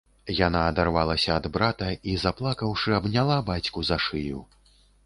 Яна адарвалася ад брата і, заплакаўшы, абняла бацьку за шыю.